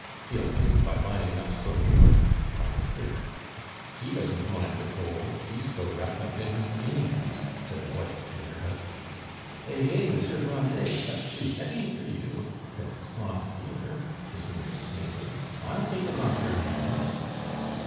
"He'll end by buying up Saumur," cried a third. "He doesn't mind the cold, he's so wrapped up in his gains," said a wife to her husband. "Hey! hey! Monsieur Grandet, if that's too heavy for you," said a cloth dealer, his nearest neighbor, "I'll take it off your hands."